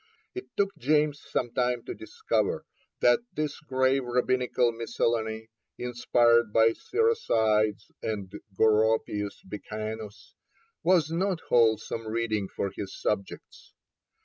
It took James some time to discover that this grave Rabbinical miscellany, inspired by Siracides and Goropius Becanus, was not wholesome reading for his subjects.